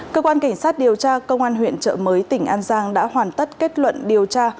cơ quan cảnh sát điều tra công an huyện trợ mới tỉnh an giang đã hoàn tất kết luận điều tra